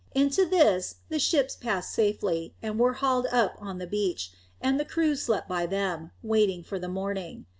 Into this the ships passed safely, and were hauled up on the beach, and the crews slept by them, waiting for the morning.